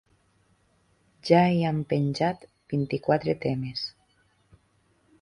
Ja hi han penjat vint-i-quatre temes.